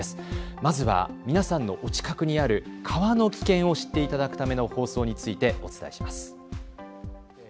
まずは皆さんのお近くにある川の危険を知っていただくための放送についてお伝えします。